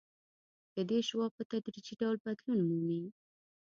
د دې شعاع په تدریجي ډول بدلون مومي